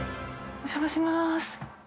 お邪魔します。